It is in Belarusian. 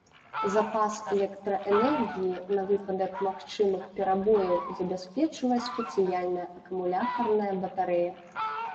Запас электраэнергіі на выпадак магчымых перабояў забяспечвае спецыяльная акумулятарная батарэя.